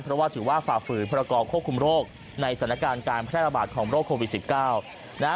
เพราะว่าถือว่าฝ่าฝืนพรกรควบคุมโรคในสถานการณ์การแพร่ระบาดของโรคโควิด๑๙นะฮะ